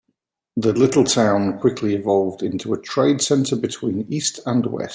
The little town quickly evolved into a trade center between east and west.